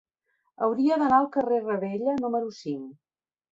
Hauria d'anar al carrer de Ravella número cinc.